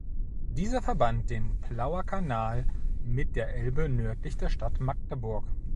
Dieser verband den Plauer Kanal mit der Elbe nördlich der Stadt Magdeburg.